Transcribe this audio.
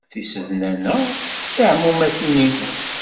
Tisednan-a d tiɛmumatin-inu.